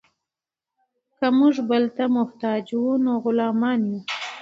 که موږ بل ته محتاج وو نو غلامان یو.